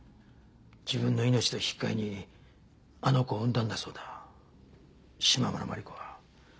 自分の命と引き換えにあの子を産んだんだそうだ島村万里子は。